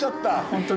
本当